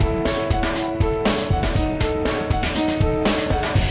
ua nggak pernah lamanya